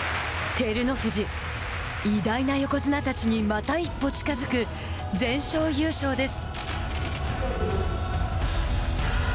照ノ富士、偉大な横綱たちにまた１歩近づく全勝優勝です。